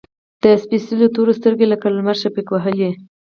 د سپیڅلو تورو، سترګې لکه لمر شفق وهلي